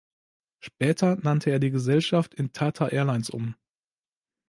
Später nannte er die Gesellschaft in Tata Airlines um.